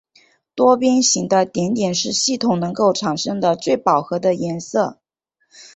多边形的顶点是系统能够产生的最饱和的颜色。